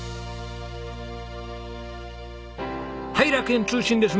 はい楽園通信です。